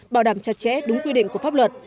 bảo đảm chặt chẽ đúng quy định của pháp luật